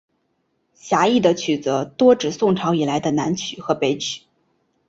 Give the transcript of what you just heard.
狭义的曲则多指宋朝以来的南曲和北曲。